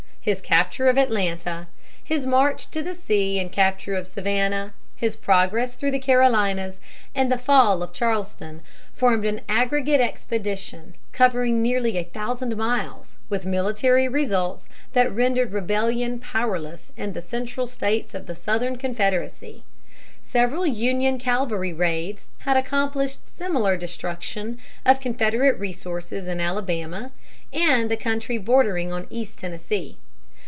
His capture of Atlanta, his march to the sea and capture of Savannah, his progress through the Carolinas, and the fall of Charleston, formed an aggregate expedition covering nearly a thousand miles, with military results that rendered rebellion powerless in the central States of the Southern Confederacy. Several Union cavalry raids had accomplished similar destruction of Confederate resources in Alabama and the country bordering on East Tennessee.